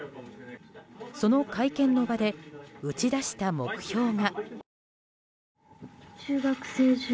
その会見の場で打ち出した目標が。